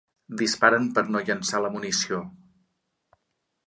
Disparen per no llençar la munició.